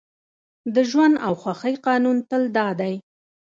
د ژوند او خوښۍ قانون تل دا دی